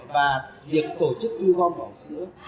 và việc tổ chức thu gom vỏ hộp sữa